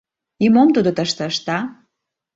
— И мом тудо тыште ышта?